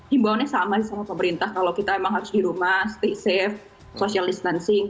himbauannya sama pemerintah kalau kita emang harus di rumah stay safe social distancing